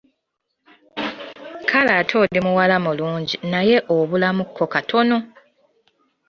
Kale ate oli muwala mulungi naye obulamu kko katono.